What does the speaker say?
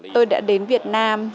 tôi đã đến việt nam